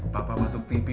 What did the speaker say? papa masuk tv ma